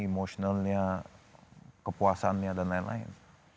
emosionalnya kepuasannya dan lain lain